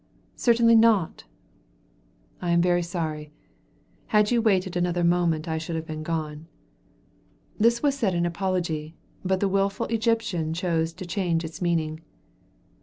"Certainly not." "I am very sorry. Had you waited another moment I should have been gone." This was said in apology, but the willful Egyptian chose to change its meaning.